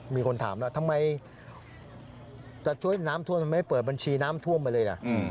มีคนถามทำไมจะช่วยน้ำท่วมทำดิไม่ปิดเบิร์ชน้ำท่วมไปเลย